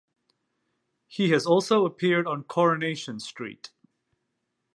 He has also appeared on "Coronation Street".